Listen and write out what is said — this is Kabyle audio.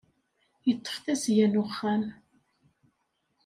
Yeṭṭef tasga n uxxam.